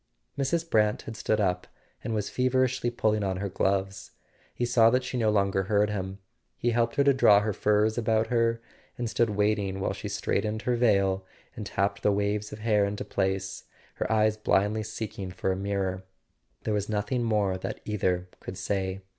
Mrs. Brant had stood up and was feverishly pulling on her gloves: he saw that she no longer heard him. He helped her to draw her furs about her, and stood waiting while she straightened her veil and tapped the waves of hair into place, her eyes blindly seeking for a mirror. There was nothing more that either could say.